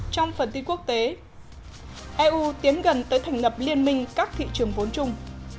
trong phần tin quốc tế eu tiến gần tới thành lập liên minh các thị trường vốn chung